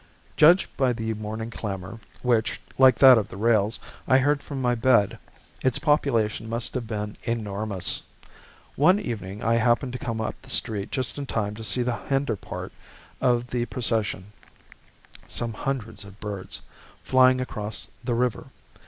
Judged by the morning clamor, which, like that of the rails, I heard from my bed, its population must have been enormous. One evening I happened to come up the street just in time to see the hinder part of the procession some hundreds of birds flying across the river.